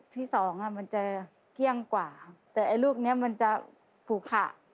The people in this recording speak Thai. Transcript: แต่ลูกนี้มันจะถูกค่ะ